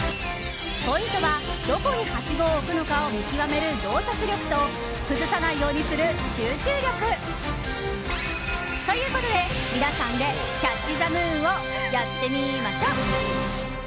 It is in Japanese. ポイントはどこに、はしごを置くのかを見極める洞察力と崩さないようにする集中力。ということで、皆さんでキャッチ・ザ・ムーンをやってみましょ！